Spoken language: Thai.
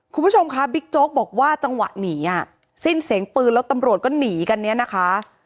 คุณผู้ชมคะบิ๊กโจ๊กบอกว่าจังหวะหนีอ่ะสิ้นเสียงปืนแล้วตำรวจก็หนีกันเนี่ยนะคะ